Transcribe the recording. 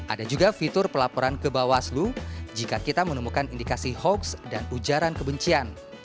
ada juga fitur pelaporan ke bawaslu jika kita menemukan indikasi hoaks dan ujaran kebencian